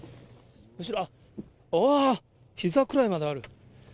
後ろ、あっ、うわー、ひざくらいまである。